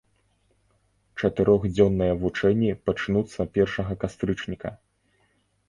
Чатырохдзённыя вучэнні пачнуцца першага кастрычніка.